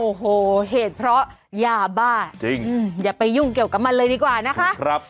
โอ้โหเหตุเพราะยาบ้าจริงอย่าไปยุ่งเกี่ยวกับมันเลยดีกว่านะคะ